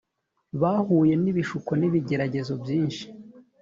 bahuye n’ ibishuko n’ ibigeragezo byinshi